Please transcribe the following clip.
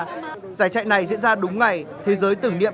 giải chạy này diễn ra đúng ngày